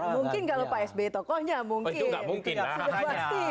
mungkin kalau pak sby tokohnya mungkin